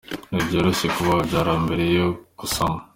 Ntibyoroshye kuba wabyara mbere yo gusama.